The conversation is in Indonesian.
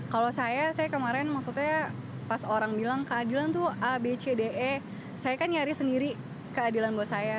kalau saya saya kemarin maksudnya pas orang bilang keadilan tuh a b c d e saya kan nyari sendiri keadilan buat saya